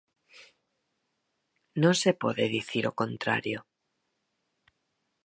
Non se pode dicir o contrario.